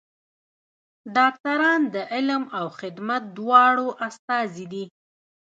ډاکټران د علم او خدمت دواړو استازي دي.